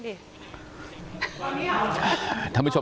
พี่ขอไปร้องข้างในก่อน